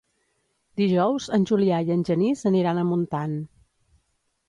Dijous en Julià i en Genís aniran a Montant.